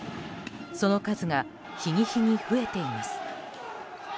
その数が日に日に増えています。